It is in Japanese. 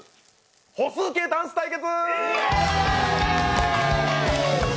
歩数計ダンス対決！